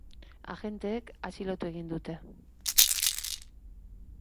Agenteek atxilotu egin dute.